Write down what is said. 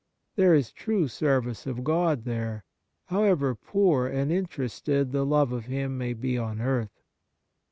There is true service of God there, however poor and interested the love of Him may be on earth.